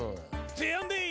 てやんでい！」。